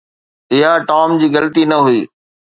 اها ٽام جي غلطي نه هئي